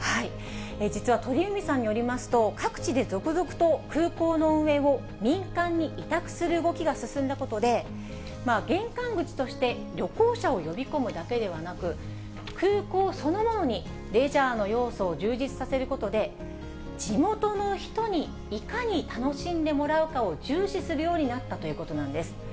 実は鳥海さんによりますと、各地で続々と空港の運営を民間に委託する動きが進んだことで、玄関口として旅行者を呼び込むだけではなく、空港そのものにレジャーの要素を充実させることで、地元の人にいかに楽しんでもらうかを重視するようになったということなんです。